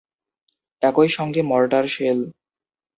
একই সঙ্গে mortar shell.